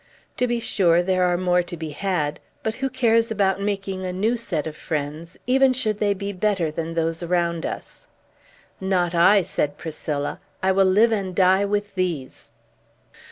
To be sure, there are more to be had; but who cares about making a new set of friends, even should they be better than those around us?" "Not I!" said Priscilla. "I will live and die with these!"